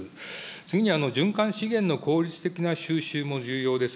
次に循環資源の効率的な収集も重要です。